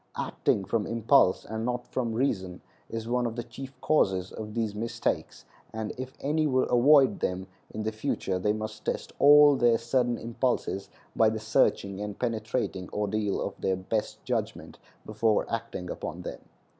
Acting from impulse, and not from reason, is one of the chief causes of these mistakes; and if any would avoid them in the future they must test all their sudden impulses by the searching and penetrating ordeal of their best judgment before acting upon them.